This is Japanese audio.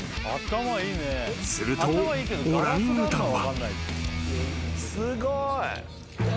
［するとオランウータンは］